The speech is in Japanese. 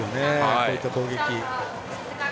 こういった攻撃。